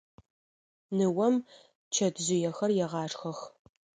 Ныом чэтжъыехэр егъашхэх.